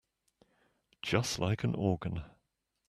Just like an organ.